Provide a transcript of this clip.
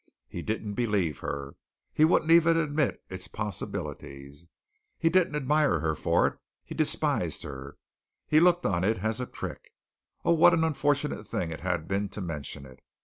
He didn't believe her. He wouldn't even admit its possibility. He didn't admire her for it. He despised her! He looked on it as a trick. Oh, what an unfortunate thing it had been to mention it!